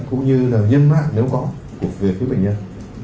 cũng như là nhân mạng nếu có của việc với bệnh nhân